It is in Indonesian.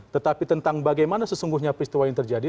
tetapi tentang bagaimana sesungguhnya peristiwa ini terjadi